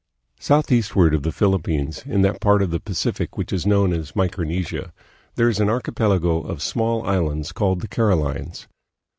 Southeastward of the Philippines, in that part of the Pacific which is known as Micronesia, there is an archipelago of small islands called the Carolines.